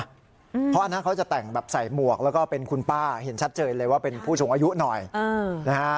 เพราะอันนั้นเขาจะแต่งแบบใส่หมวกแล้วก็เป็นคุณป้าเห็นชัดเจนเลยว่าเป็นผู้สูงอายุหน่อยนะฮะ